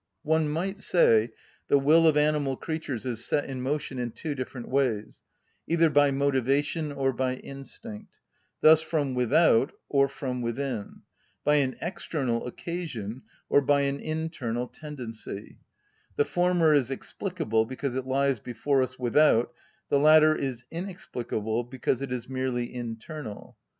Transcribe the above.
One might say, the will of animal creatures is set in motion in two different ways: either by motivation or by instinct; thus from without, or from within; by an external occasion, or by an internal tendency; the former is explicable because it lies before us without, the latter is inexplicable because it is merely internal.